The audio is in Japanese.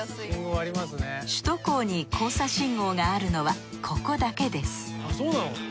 首都高に交差信号があるのはここだけです。